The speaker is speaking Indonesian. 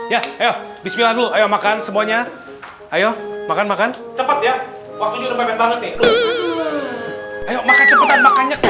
ya ayo bismillah dulu ayo makan semuanya ayo makan makan cepet ya waktu ini udah pepek banget